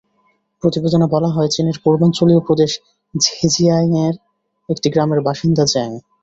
প্রতিবেদনে বলা হয়, চীনের পূর্বাঞ্চলীয় প্রদেশ ঝেজিয়াংয়ের একটি গ্রামের বাসিন্দা জেং।